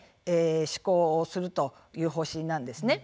施行するという方針なんですね。